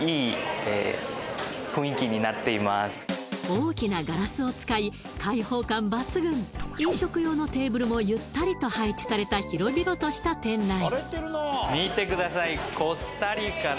大きなガラスを使い開放感抜群飲食用のテーブルもゆったりと配置された広々とした店内